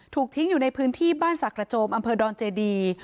ถูกทิ้งอยู่ในพื้นที่บ้านสักกระโจมอำเภอดอนเจดี